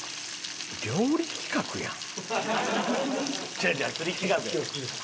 違う違う釣り企画や。